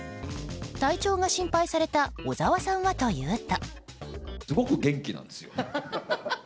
体調が心配された小沢さんはというと。